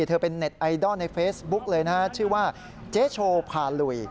เธอเป็นเน็ตไอดอลในเฟซบุ๊กเลยนะฮะชื่อว่าเจ๊โชพาลุย